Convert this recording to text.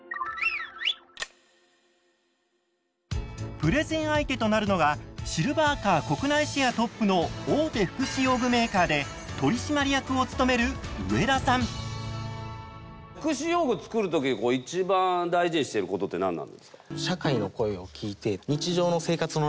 プレゼン相手となるのがシルバーカー国内シェアトップの大手福祉用具メーカーで取締役を務める福祉用具作る時こう一番大事にしてることって何なんですか？